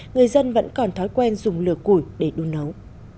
người dân vẫn còn thói quen dùng lửa củi để đun nấu